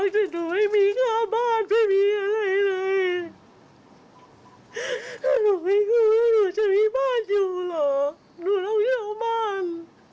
ตีรถสิบมีบ้านอยู่หอนึกแล้วคำเนื่องฟัน